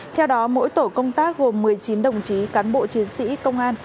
theo đó mỗi tổ công tác gồm một mươi chín đồng chí cán bộ chiến sĩ công an